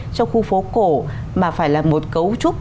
trong khu phố cổ mà phải là một cấu trúc